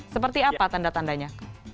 seperti apa tanda tandanya